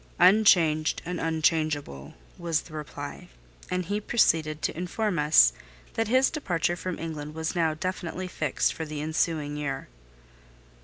"Unchanged and unchangeable," was the reply. And he proceeded to inform us that his departure from England was now definitively fixed for the ensuing year.